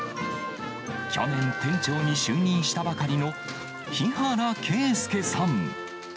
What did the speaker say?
去年、店長に就任したばかりの日原啓介さん。